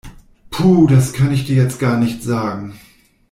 Puh, das kann ich dir jetzt gar nicht sagen.